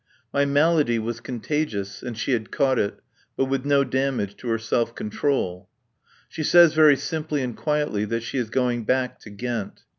My malady was contagious and she had caught it, but with no damage to her self control. She says very simply and quietly that she is going back to Ghent.